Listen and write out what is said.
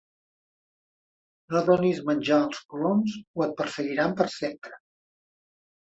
No donis menjar als coloms o et perseguiran per sempre!